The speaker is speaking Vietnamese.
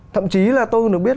thậm chí là tôi được biết